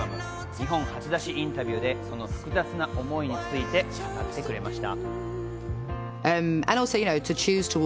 日本初出しインタビューでその複雑な思いについて語ってくれました。